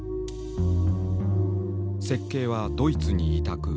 設計はドイツに委託。